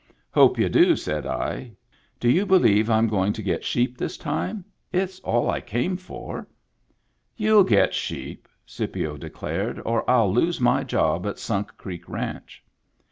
" Hope you do," said I. " Do you believe Fm going to get sheep this time ? It's all I came for." "You'll get sheep," Scipio declared, "or FU lose my job at Sunk Creek ranch."